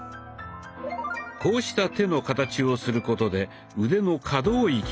こうした手の形をすることで腕の可動域を広げます。